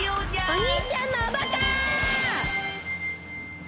おにいちゃんのおバカ！